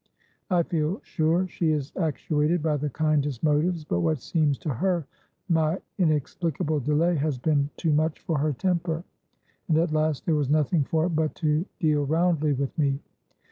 I feel sure she is actuated by the kindest motives; but what seems to her my inexplicable delay has been too much for her temper, and at last there was nothing for it but to deal roundly with me.